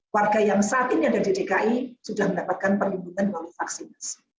warga yang saat ini ada di dki sudah mendapatkan perlindungan melalui vaksinasi